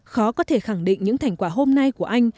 khó có thể khẳng định những thành quả hôm nay của anh